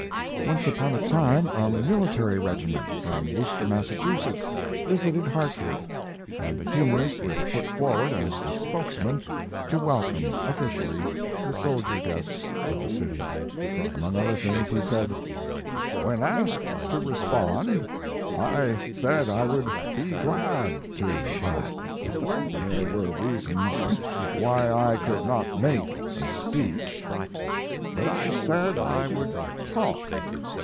" Once upon a time a military regiment from Worcester, Massachusetts, visited Hartford, and the humorist was put for ward, as the spokesman, to welcome, officially, the soldier guests of the city. Among other things he said: "When asked to respond, I said I would be glad to, but there were reasons why I could not make a speech. But I said I would talk.